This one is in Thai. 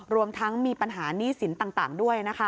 รวมทั้งมีปัญหาหนี้สินต่างด้วยนะคะ